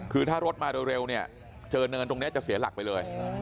คือถ้ารถมาเร็วเนี่ยเจอเนินตรงนี้จะเสียหลักไปเลย